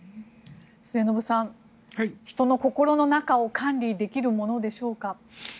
末延さん、人の心の中を管理できるものでしょうか？